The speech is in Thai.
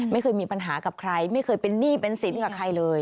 ไม่เคยมีปัญหากับใครไม่เคยเป็นหนี้เป็นสินกับใครเลย